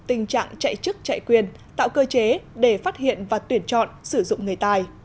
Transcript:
tình trạng chạy chức chạy quyền tạo cơ chế để phát hiện và tuyển chọn sử dụng người tài